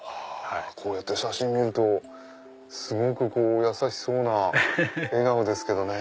こうやって写真見るとすごく優しそうな笑顔ですけどね。